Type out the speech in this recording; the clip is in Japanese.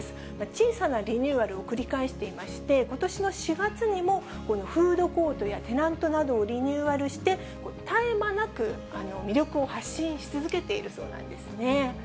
小さなリニューアルを繰り返していまして、ことしの４月にも、フードコートやテナントなどをリニューアルして、絶え間なく魅力を発信し続けているそうなんですね。